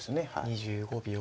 ２５秒。